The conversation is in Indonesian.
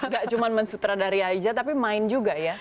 gak cuma mensutradari aja tapi main juga ya